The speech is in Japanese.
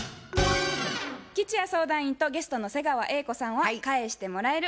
吉弥相談員とゲストの瀬川瑛子さんは「返してもらえる」